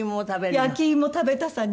焼き芋食べたさに。